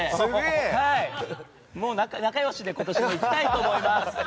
仲良しで今年もいきたいと思います！